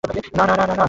না, না, না, না, না।